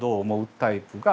タイプが。